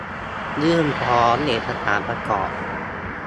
ยื่นพร้อมเอกสารประกอบ